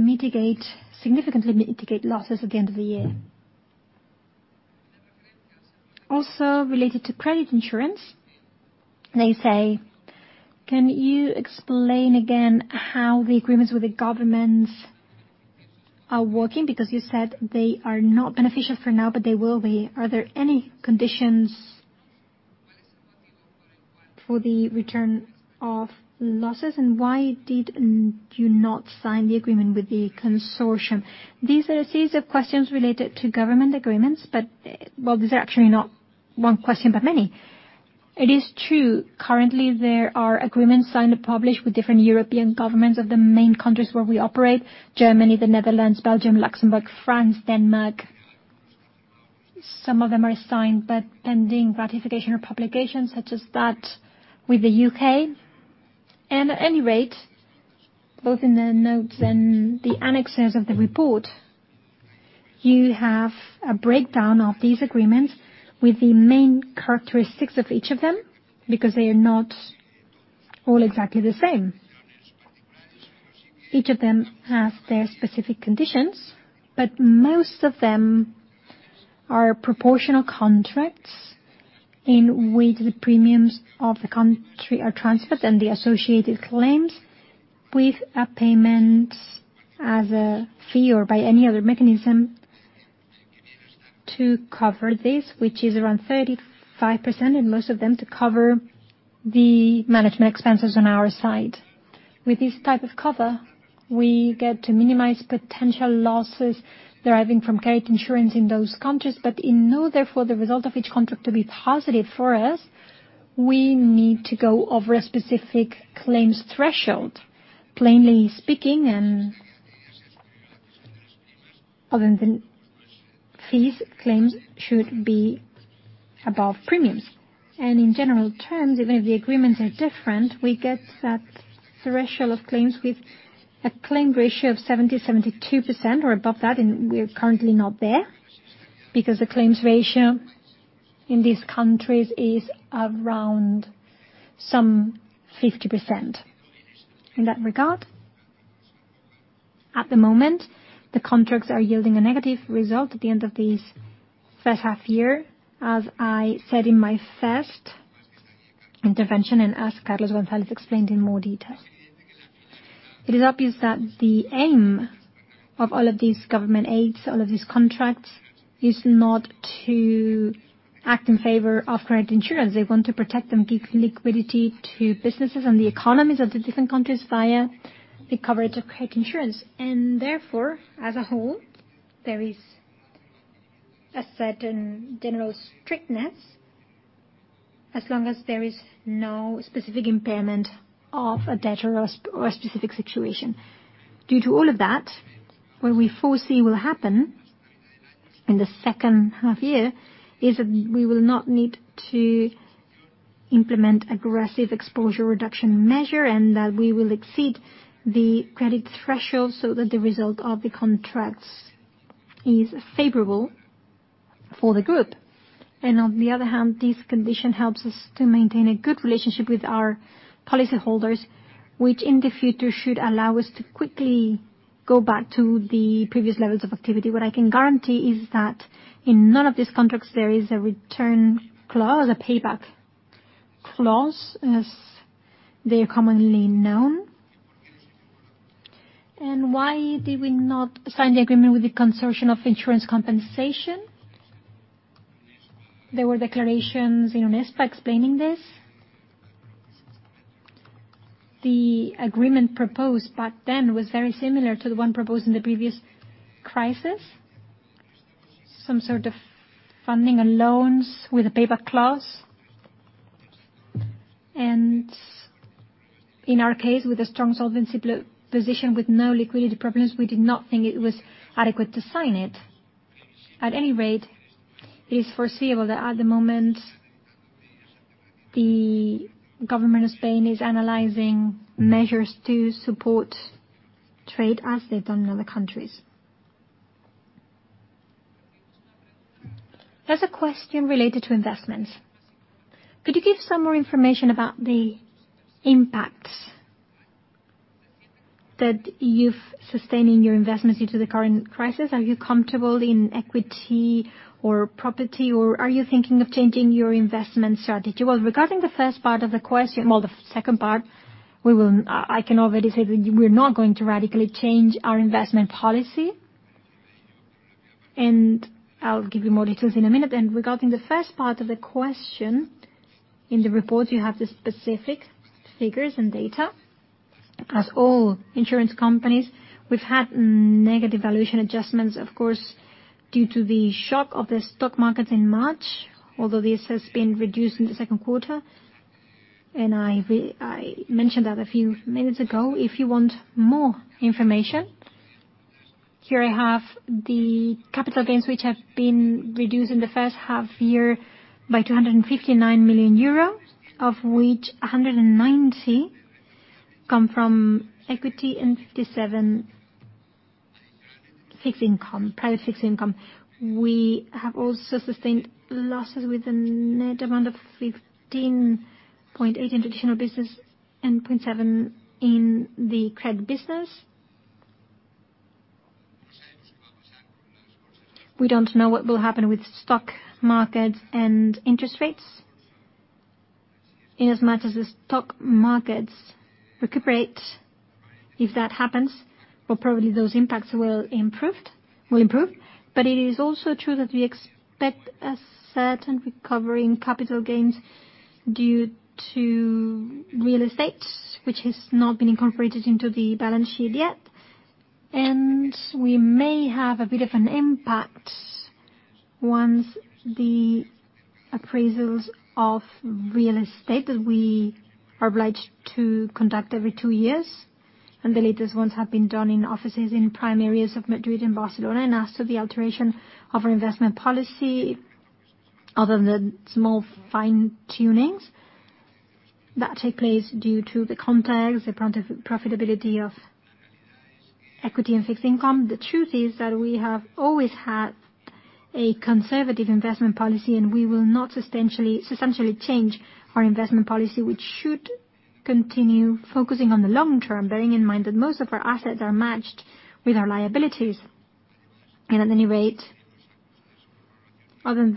significantly mitigate losses at the end of the year. Also related to credit insurance, they say: Can you explain again how the agreements with the governments are working? You said they are not beneficial for now, but they will be. Are there any conditions for the return of losses, and why did you not sign the agreement with the consortium? These are a series of questions related to government agreements, but, well, these are actually not one question, but many. It is true, currently, there are agreements signed and published with different European governments of the main countries where we operate: Germany, the Netherlands, Belgium, Luxembourg, France, Denmark. Some of them are signed, but pending ratification or publication, such as that with the U.K. At any rate, both in the notes and the annexures of the report, you have a breakdown of these agreements with the main characteristics of each of them, because they are not all exactly the same. Each of them has their specific conditions, but most of them are proportional contracts in which the premiums of the country are transferred and the associated claims with a payment as a fee or by any other mechanism to cover this, which is around 35%, and most of them to cover the management expenses on our side. With this type of cover, we get to minimize potential losses deriving from credit insurance in those countries. In order for the result of each contract to be positive for us, we need to go over a specific claims threshold. Plainly speaking, and other than fees, claims should be above premiums. In general terms, even if the agreements are different, we get that threshold of claims with a claims ratio of 70%, 72% or above that. We are currently not there because the claims ratio in these countries is around some 50%. In that regard, at the moment, the contracts are yielding a negative result at the end of this first half year, as I said in my first intervention and as Carlos González explained in more detail. It is obvious that the aim of all of these government aids, all of these contracts, is not to act in favor of credit insurance. They want to protect and give liquidity to businesses and the economies of the different countries via the coverage of credit insurance. Therefore, as a whole, there is a certain general strictness as long as there is no specific impairment of a debtor or a specific situation. Due to all of that, what we foresee will happen in the second half year is that we will not need to implement aggressive exposure reduction measure, and that we will exceed the credit threshold so that the result of the contracts is favorable for the group. On the other hand, this condition helps us to maintain a good relationship with our policyholders, which in the future should allow us to quickly go back to the previous levels of activity. What I can guarantee is that in none of these contracts there is a return clause, a payback clause, as they are commonly known. Why did we not sign the agreement with the Consortium of Insurance Compensation? There were declarations in this. By explaining this, the agreement proposed back then was very similar to the one proposed in the previous crisis. Some sort of funding and loans with a payback clause. In our case, with a strong solvency position, with no liquidity problems, we did not think it was adequate to sign it. At any rate, it is foreseeable that at the moment, the government of Spain is analyzing measures to support trade, as they've done in other countries. There's a question related to investments. Could you give some more information about the impacts that you've sustaining your investments due to the current crisis? Are you comfortable in equity or property, or are you thinking of changing your investment strategy? Well, the second part, I can already say we're not going to radically change our investment policy, and I'll give you more details in a minute. Regarding the first part of the question, in the report, you have the specific figures and data. As all insurance companies, we've had negative valuation adjustments, of course, due to the shock of the stock market in March, although this has been reduced in the second quarter, and I mentioned that a few minutes ago. If you want more information, here I have the capital gains, which have been reduced in the first half year by 259 million euro, of which 190 million come from equity and 57 million fixed income, private fixed income. We have also sustained losses with a net amount of 15.8 million in traditional business and 0.7 million in the credit business. We don't know what will happen with stock markets and interest rates. In as much as the stock markets recuperate, if that happens, well, probably those impacts will improve. It is also true that we expect a certain recovery in capital gains due to real estate, which has not been incorporated into the balance sheet yet. We may have a bit of an impact once the appraisals of real estate that we are obliged to conduct every two years, and the latest ones have been done in offices in prime areas of Madrid and Barcelona. As to the alteration of our investment policy, other than small fine tunings that take place due to the context, the profitability of equity and fixed income. The truth is that we have always had a conservative investment policy. We will not substantially change our investment policy, which should continue focusing on the long term, bearing in mind that most of our assets are matched with our liabilities. At any rate, other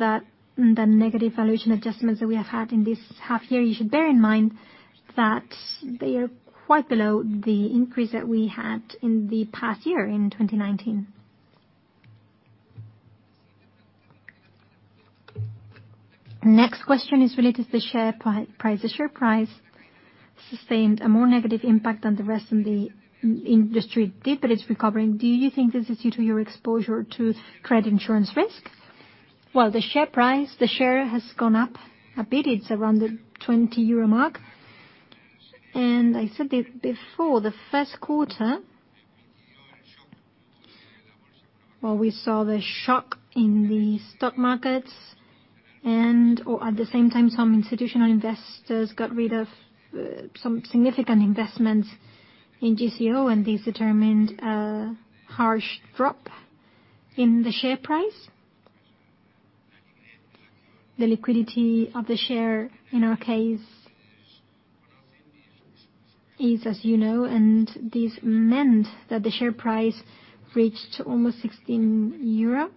than the negative valuation adjustments that we have had in this half year, you should bear in mind that they are quite below the increase that we had in the past year, in 2019. Next question is related to share price. The share price sustained a more negative impact than the rest in the industry did. It's recovering. Do you think this is due to your exposure to credit insurance risk? Well, the share price, the share has gone up a bit. It's around the 20 euro mark. I said it before, the first quarter, we saw the shock in the stock markets and at the same time, some institutional investors got rid of some significant investments in GCO, and this determined a harsh drop in the share price. The liquidity of the share in our case is as you know, and this meant that the share price reached almost 16 euro.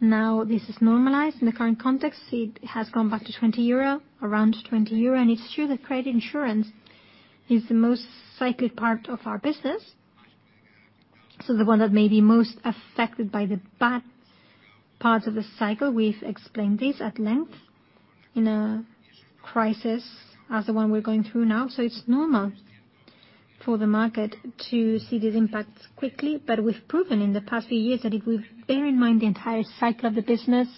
Now this is normalized. In the current context, it has gone back to 20 euro, around 20 euro. It's true that credit insurance is the most cyclic part of our business. The one that may be most affected by the bad parts of the cycle. We've explained this at length in a crisis, as the one we're going through now. It's normal for the market to see these impacts quickly, but we've proven in the past few years that if we bear in mind the entire cycle of the business,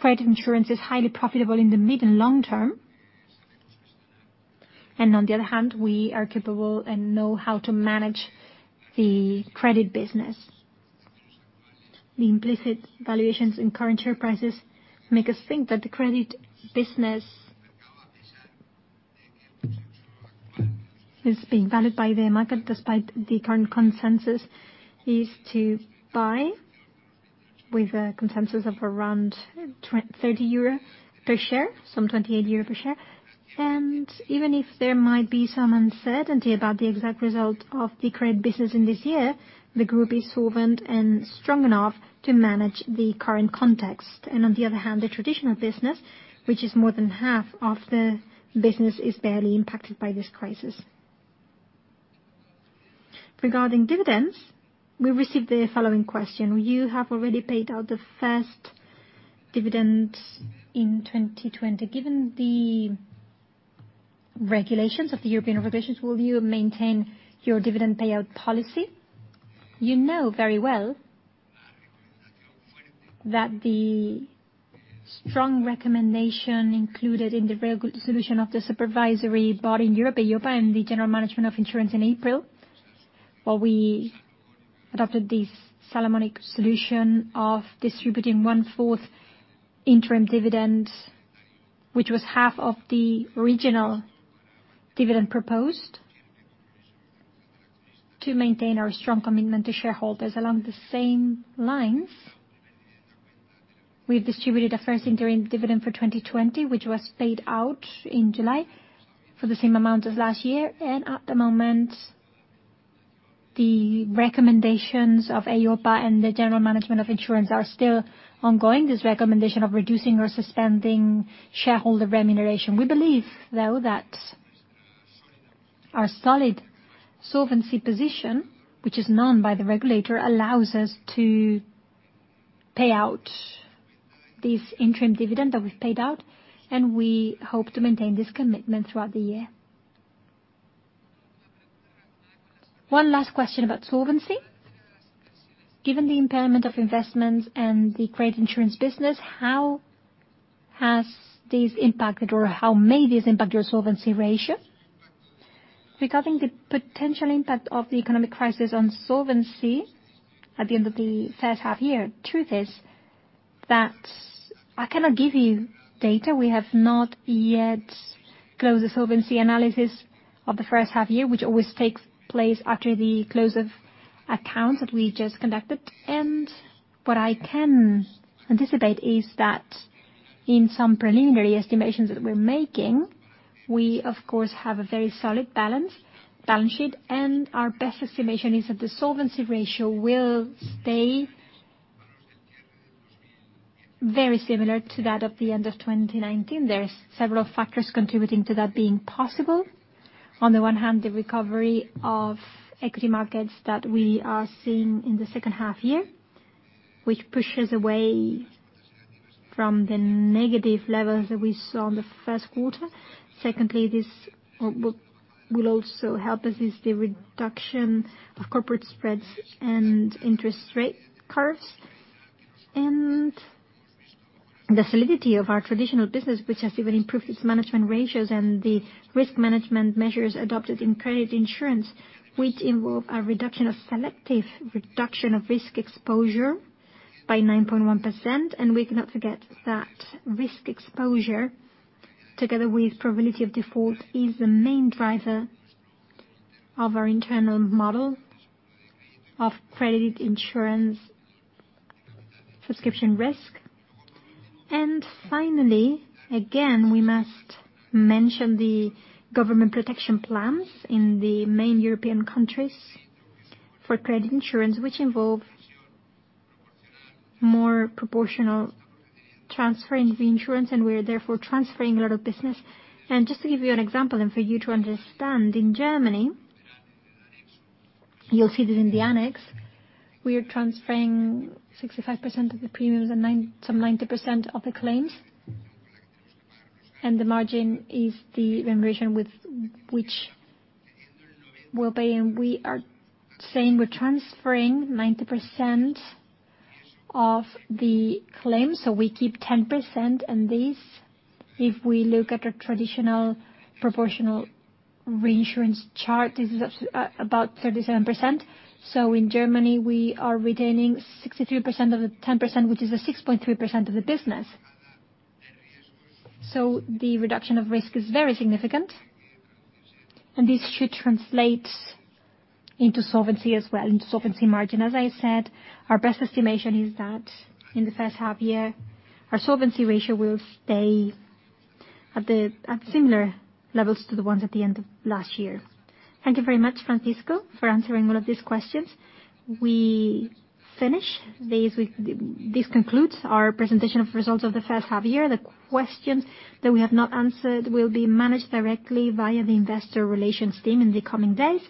credit insurance is highly profitable in the mid and long term. On the other hand, we are capable and know how to manage the credit business. The implicit valuations in current share prices make us think that the credit business is being valued by the market, despite the current consensus is to buy with a consensus of around 30 euro per share, some 28 euro per share. Even if there might be some uncertainty about the exact result of the credit business in this year, the group is solvent and strong enough to manage the current context. On the other hand, the traditional business, which is more than half of the business, is barely impacted by this crisis. Regarding dividends, we received the following question. You have already paid out the first dividend in 2020. Given the regulations of the European regulators, will you maintain your dividend payout policy? You know very well that the strong recommendation included in the regulation of the supervisory body in Europe, EIOPA, and the General Management of Insurance in April, we adopted this Solomonic solution of distributing 1/4 interim dividend, which was half of the original dividend proposed, to maintain our strong commitment to shareholders. Along the same lines, we've distributed a first interim dividend for 2020, which was paid out in July for the same amount as last year. At the moment, the recommendations of EIOPA and the General Management of Insurance are still ongoing. This recommendation of reducing or suspending shareholder remuneration. We believe, though, that our solid solvency position, which is known by the regulator, allows us to pay out this interim dividend that we've paid out, and we hope to maintain this commitment throughout the year. One last question about solvency. Given the impairment of investments and the credit insurance business, how has this impacted or how may this impact your solvency ratio? Regarding the potential impact of the economic crisis on solvency at the end of the first half year, truth is that I cannot give you data. We have not yet closed the solvency analysis of the first half year, which always takes place after the close of accounts that we just conducted. What I can anticipate is that in some preliminary estimations that we're making, we of course have a very solid balance sheet, and our best estimation is that the solvency ratio will stay very similar to that of the end of 2019. There's several factors contributing to that being possible. On the one hand, the recovery of equity markets that we are seeing in the second half year, which pushes away from the negative levels that we saw in the first quarter. Secondly, this will also help us, is the reduction of corporate spreads and interest rate curves. The solidity of our traditional business, which has even improved its management ratios and the risk management measures adopted in credit insurance, which involve a reduction of selective reduction of risk exposure by 9.1%. We cannot forget that risk exposure together with probability of default is the main driver of our internal model of credit insurance subscription risk. Finally, again, we must mention the government protection plans in the main European countries for credit insurance, which involve more proportional transfer into the insurance, and we're therefore transferring a lot of business. Just to give you an example and for you to understand, in Germany, you'll see that in the annex, we are transferring 65% of the premiums and some 90% of the claims. The margin is the remuneration which will pay, and we are saying we're transferring 90% of the claims. We keep 10%. This, if we look at a traditional proportional reinsurance chart, this is about 37%. In Germany, we are retaining 63% of the 10%, which is the 6.3% of the business. The reduction of risk is very significant, and this should translate into solvency as well, into solvency margin. As I said, our best estimation is that in the first half year, our solvency ratio will stay at similar levels to the ones at the end of last year. Thank you very much, Francisco, for answering all of these questions. We finish. This concludes our presentation of results of the first half year. The questions that we have not answered will be managed directly via the investor relations team in the coming days.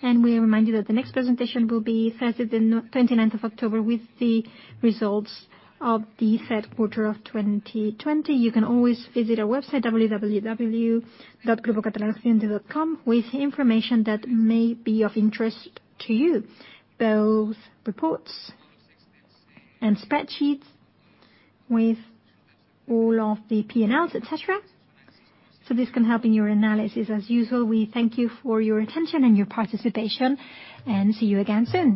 We remind you that the next presentation will be Thursday, the 29th of October, with the results of the third quarter of 2020. You can always visit our website, www.grupocatalanaoccidente.com, with information that may be of interest to you, both reports and spreadsheets with all of the P&Ls, et cetera. This can help in your analysis. As usual, we thank you for your attention and your participation, and see you again soon.